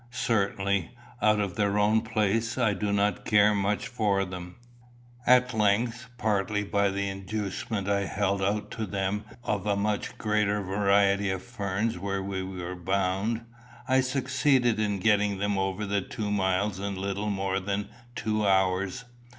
Certainly, out of their own place I do not care much for them. At length, partly by the inducement I held out to them of a much greater variety of ferns where we were bound, I succeeded in getting them over the two miles in little more than two hours.